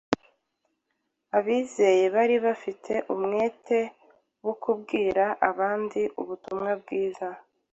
Abizeye bari bafite umwete wo kubwira abandi ubutumwa bwiza,